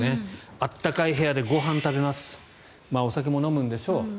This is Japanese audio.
暖かい部屋でご飯を食べますお酒も飲むんでしょう。